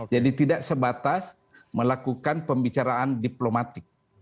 jadi tidak sebatas melakukan pembicaraan diplomatik